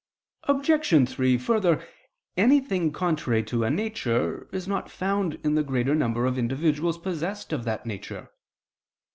Obj. 3: Further, anything contrary to a nature, is not found in the greater number of individuals possessed of that nature.